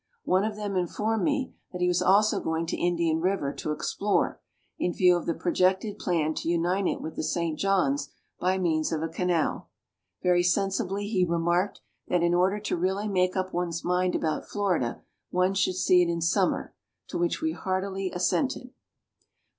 One of them informed me that he was also going to Indian River to explore, in view of the projected plan to unite it with the St. John's by means of a canal. Very sensibly he remarked, that, in order to really make up one's mind about Florida, one should see it in summer; to which we heartily assented.